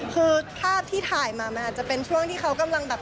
คือภาพที่ถ่ายมามันอาจจะเป็นช่วงที่เขากำลังแบบ